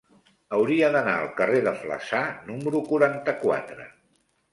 Hauria d'anar al carrer de Flaçà número quaranta-quatre.